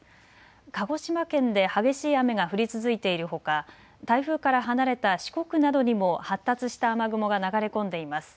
鹿児島県で激しい雨が降り続いているほか、台風から離れた四国などにも発達した雨雲が流れ込んでいます。